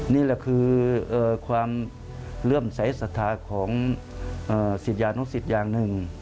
นี่แหละคือความเลื่อมใสสัทธาของศิษยานุสิตอย่างหนึ่ง